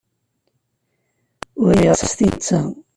Uriɣ-as-t i netta.